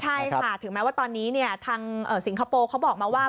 ใช่ค่ะถึงแม้ว่าตอนนี้ทางสิงคโปร์เขาบอกมาว่า